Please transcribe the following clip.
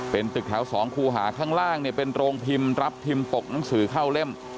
เป็นตึกแถว๒คูหาข้างล่างเนี่ยเป็นโรงพิมพ์รับพิมพ์ปกหนังสือเข้าเล่ม